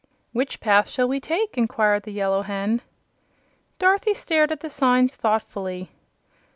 "Which path shall we take?" inquired the Yellow Hen. Dorothy stared at the signs thoughtfully.